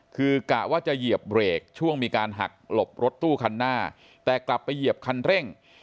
คือกะว่าจะเหยียบเบรกช่วงมีการหักหลบรถตู้คันหน้าแต่กลับไปเหยียบคันเร่ง